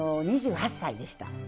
２８歳でした。